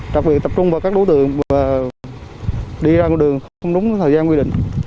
đặc biệt tập trung vào các đối tượng và đi ra đường không đúng thời gian quy định